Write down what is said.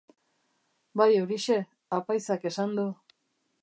Bai horixe, apaizak esan du.